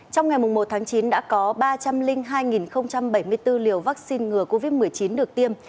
trong ngày một tháng chín đã có ba trăm linh hai bảy mươi bốn liều vaccine ngừa covid một mươi chín được tiêm